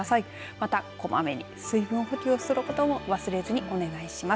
また、こまめに水分補給することも忘れずにお願いします。